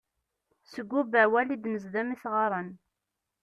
Seg Ubawal i d-nezdem isɣaren.